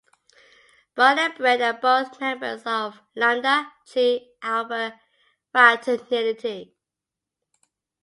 Brian and Brett are both members of Lambda Chi Alpha Fraternity.